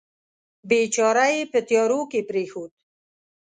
بیچاره یې په تیارو کې پرېښود.